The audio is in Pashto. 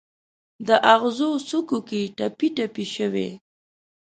د اغزو څوکو کې ټپي، ټپي شوي